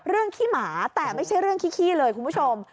ขี้หมาแต่ไม่ใช่เรื่องขี้เลยคุณผู้ชม